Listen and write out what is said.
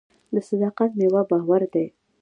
د صداقت میوه باور دی.